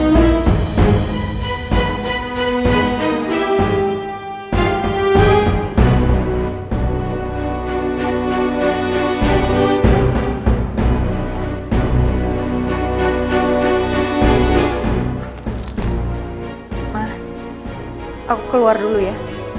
hah aku keluar dulu ya